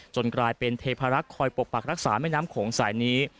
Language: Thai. กลายเป็นเทพารักษ์คอยปกปักรักษาแม่น้ำโขงสายนี้